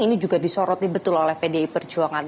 ini juga disoroti betul oleh pdi perjuangan